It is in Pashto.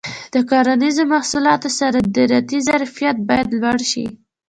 د کرنیزو محصولاتو صادراتي ظرفیت باید لوړ شي.